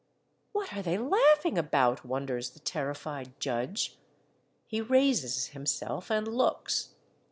''What are they laughing about?" wonders the terrified judge. He raises himself and looks.